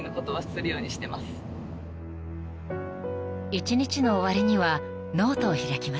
［１日の終わりにはノートを開きます］